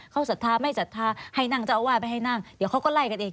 เขาศรัทธาไม่ศรัทธาให้นั่งเจ้าอาวาสไปให้นั่งเดี๋ยวเขาก็ไล่กันเอง